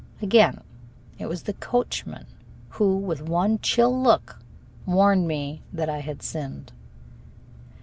Again it was the coachman who with one chill look warned me that I had sinned.